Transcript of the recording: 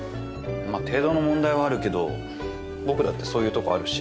程度の問題はあるけど僕だってそういうとこあるし。